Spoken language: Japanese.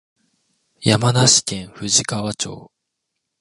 山梨県富士川町